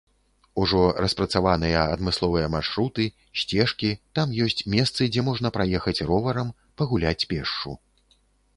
Ужо распрацаваныя адмысловыя маршруты, сцежкі, там ёсць месцы, дзе можна праехаць роварам, пагуляць пешшу.